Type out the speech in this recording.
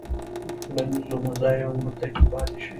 ټولنیزو مزایاوو متکي پاتې شي.